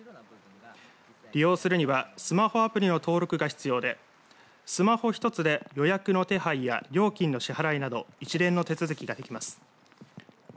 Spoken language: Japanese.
利用するにはスマホアプリの登録が必要でスマホ１つで予約の手配や料金の支払いなど一連の手続きができます。